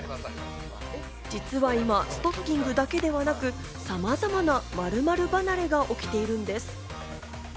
実は今、ストッキングだけではなく、さまざまな〇〇離れが起きているんです。